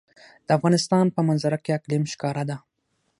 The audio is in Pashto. د افغانستان په منظره کې اقلیم ښکاره ده.